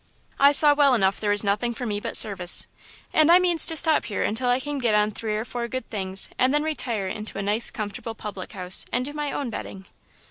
I saw well enough there was nothing for me but service, and I means to stop here until I can get on three or four good things and then retire into a nice comfortable public house and do my own betting."